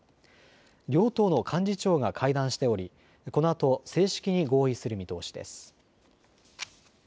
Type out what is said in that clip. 両党の幹事長が会談しておりこのあと正式に合意する見通しです。